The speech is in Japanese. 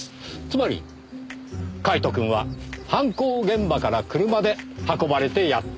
つまりカイトくんは犯行現場から車で運ばれてやって来た。